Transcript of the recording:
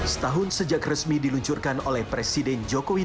setahun sejak resmi diluncurkan oleh presiden jokowi